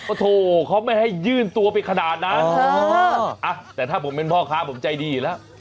โอ้โหเขาไม่ให้ยื่นตัวไปขนาดนั้นแต่ถ้าผมเป็นพ่อค้าผมใจดีอยู่แล้ว